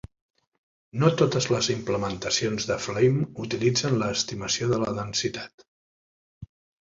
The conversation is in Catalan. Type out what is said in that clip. No totes les implementacions de Flame utilitzen l'estimació de la densitat.